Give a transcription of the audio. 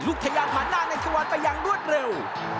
ทะยานผ่านหน้าในทวันไปอย่างรวดเร็ว